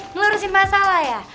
ngurusin masalah ya